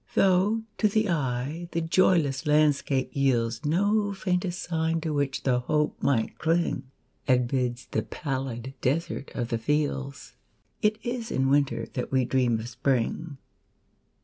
Though, to the eye, the joyless landscape yieldsNo faintest sign to which the hope might cling,—Amidst the pallid desert of the fields,—It is in Winter that we dream of Spring.